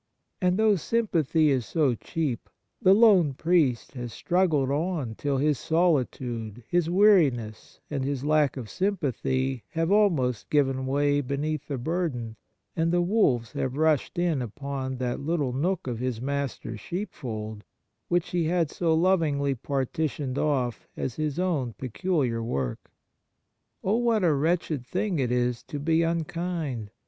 and though sympathy is so cheap, the lone priest has struggled on till his solitude, his weariness, and his lack of sympathy, have almost given way beneath the burden, and On Kindness in General ^2> the wolves have rushed in upon that Httle nook of his Master's sheepfold which he had so lovingly partitioned off as his own peculiar work ! Oh, what a wretched thing it is to be unkind